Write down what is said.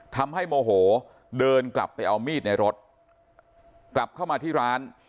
โมโหเดินกลับไปเอามีดในรถกลับเข้ามาที่ร้าน